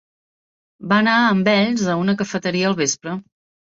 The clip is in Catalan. Va anar amb ells a una cafeteria al vespre.